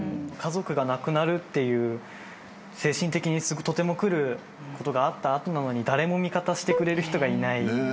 家族が亡くなるっていう精神的にとてもくることがあった後なのに誰も味方してくれる人がいない。